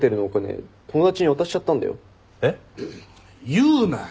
言うなよ。